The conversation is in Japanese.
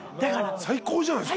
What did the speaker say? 最高じゃないですか。